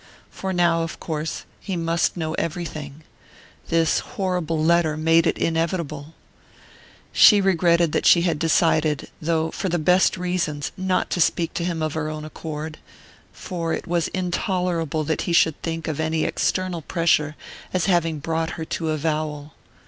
For now of course he must know everything this horrible letter made it inevitable. She regretted that she had decided, though for the best of reasons, not to speak to him of her own accord; for it was intolerable that he should think of any external pressure as having brought her to avowal.